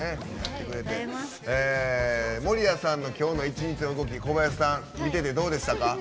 守屋さんの今日の一日の動き小林さん、見ててどうでしたか？